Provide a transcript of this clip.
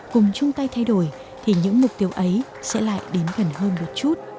cùng chung tay thay đổi thì những mục tiêu ấy sẽ lại đến gần hơn một chút